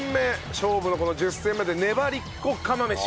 勝負のこの１０戦目でねばりっこ釜飯。